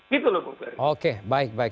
gitu loh bung ferdi